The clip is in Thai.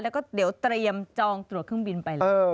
แล้วก็เดี๋ยวเตรียมจองตรวจเครื่องบินไปเลย